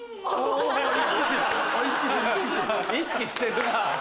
意識してるな。